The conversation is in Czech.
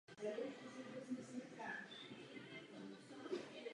Parlament bude pouze konzultován, což odráží nedemokratickou povahu tohoto systému.